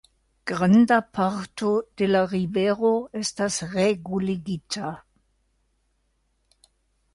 Granda parto de la rivero estas reguligita.